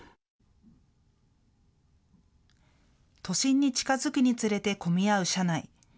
都心に近づくにつれて混み合う車内。